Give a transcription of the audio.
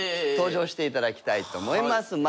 登場していただきたいと思います。